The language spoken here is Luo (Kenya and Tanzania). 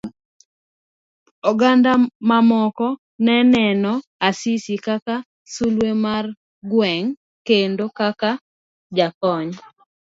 Oganda mamoko neneno Asisi kaka sulwe mar gweng kendo kaka jakony.